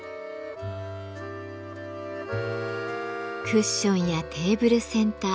クッションやテーブルセンター